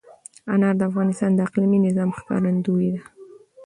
انار د افغانستان د اقلیمي نظام ښکارندوی ده.